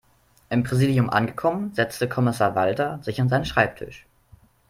Im Präsidium angekommen, setzte Kommissar Walter sich an seinen Schreibtisch.